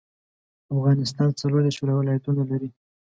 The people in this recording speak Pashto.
افغانستان څلوردیرش ولايتونه لري.